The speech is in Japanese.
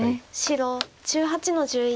白１８の十一。